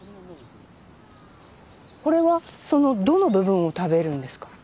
これはそのどの部分を食べるんですか？